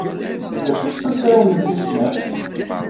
D acu-tt tuttra-nnem tis snat?